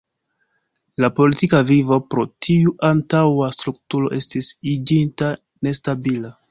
La politika vivo pro tiu antaŭa strukturo estis iĝinta nestabila.